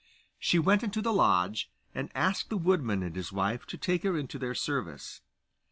She went into the lodge, and asked the woodman and his wife to take her into their service.